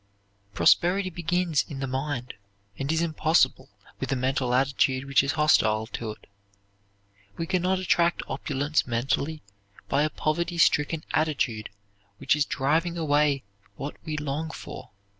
Prosperity begins in the mind, and is impossible with a mental attitude which is hostile to it. We can not attract opulence mentally by a poverty stricken attitude which is driving away what we long for.